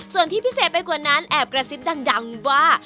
ส่วนที่พิเศษไปกว่านั้นแอบกระซิบดังว่า